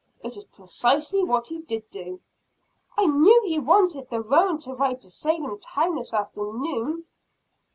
"It is precisely what he did do." "He knew I wanted the roan to ride to Salem town this afternoon."